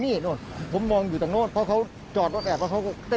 ไม่ผมอยู่นี่ผมมองอยู่ตรงโน้นเพราะเขาจอดรถแอบเพราะเขาเต้นขึ้นรถเลย